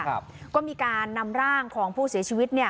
ครับก็มีการนำร่างของผู้เสียชีวิตเนี่ย